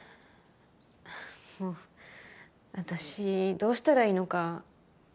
もう私どうしたらいいのか。